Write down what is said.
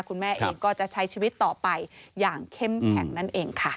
คุณแม่เองก็จะใช้ชีวิตต่อไปอย่างเข้มแข็งนั่นเองค่ะ